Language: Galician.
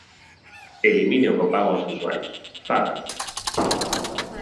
Elimine o copago aos usuarios, fágano.